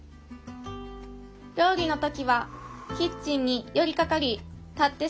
料理の時はキッチンに寄りかかり立って作業。